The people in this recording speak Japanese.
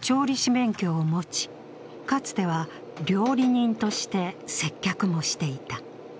調理師免許を持ち、かつては料理人として接客もしていた。